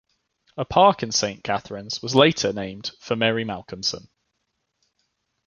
A park in Saint Catharines was later named for Mary Malcolmson.